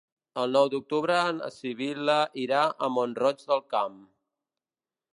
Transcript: El nou d'octubre na Sibil·la irà a Mont-roig del Camp.